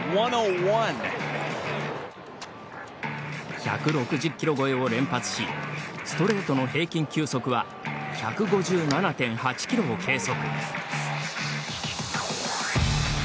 １６０キロ超えを連発しストレートの平均球速は１５７．８キロを計測。